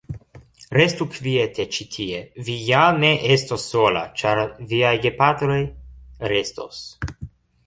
Restu kviete ĉi tie, vi ja ne estos sola, ĉar viaj gepatroj restos.